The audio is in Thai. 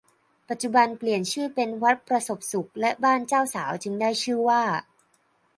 ปัจจุบันเปลี่ยนชื่อเป็นวัดประสบสุขและบ้านเจ้าสาวจึงได้ชื่อว่า